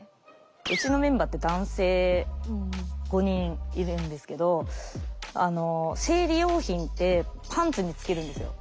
うちのメンバーって男性５人いるんですけど生理用品ってパンツにつけるんですよ。